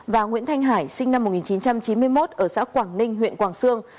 và nguyễn thanh hải sinh năm một nghìn chín trăm chín mươi một ở xã quảng ninh huyện quảng sương